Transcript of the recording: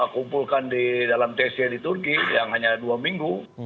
kumpulkan di dalam tc di turki yang hanya dua minggu